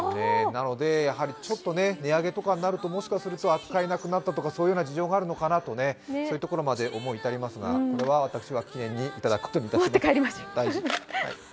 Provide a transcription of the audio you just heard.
なので、やはりちょっと値上げとかになると、もしかすると扱えなくなったとかそういう事情があるのかなと思い至りますがこれは私は記念にいただくことにいたします、大事。